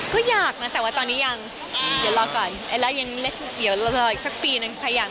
ก็อยากนะแต่ว่าตอนนี้ยัง